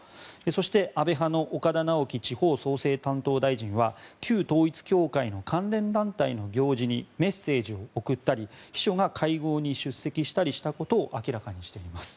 そして、安倍派の岡田直樹地方創生担当大臣は旧統一教会の関連団体の行事にメッセージを送ったり秘書が会合に出席したりしたことを明らかにしています。